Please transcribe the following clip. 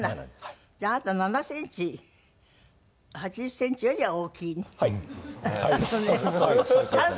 じゃああなた７センチ１８０センチよりは大きいね？